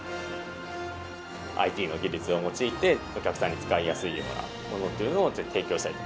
ＩＴの技術を用いて、お客さんに使いやすいようなものというのを提供したいと。